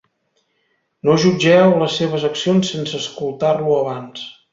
No jutgeu les seves accions sense escoltar-lo abans.